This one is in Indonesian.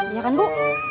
iya kan bu